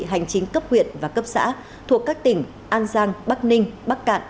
hành chính cấp huyện và cấp xã thuộc các tỉnh an giang bắc ninh bắc cạn